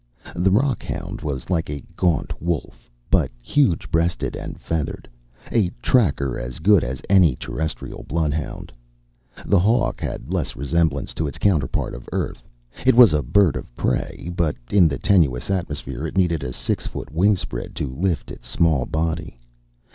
The rockhound was like a gaunt wolf, but huge breasted and feathered, a tracker as good as any Terrestrial bloodhound. The "hawk" had less resemblance to its counterpart of Earth: it was a bird of prey, but in the tenuous atmosphere it needed a six foot wingspread to lift its small body.